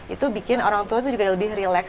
itu bikin orang tua itu juga lebih relax